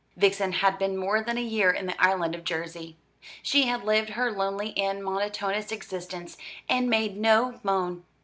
Vixen had been more than a year in the island of Jersey. She had lived her lonely and monotonous existence, and made no moan.